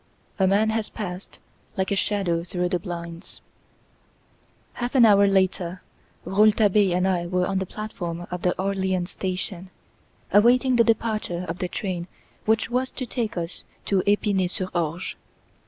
"A Man Has Passed Like a Shadow Through the Blinds" Half an hour later Rouletabille and I were on the platform of the Orleans station, awaiting the departure of the train which was to take us to Epinay sur Orge.